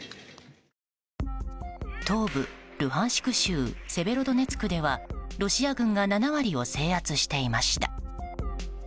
東部ルハンシク州セベロドネツクではロシア軍が７割を制圧していました。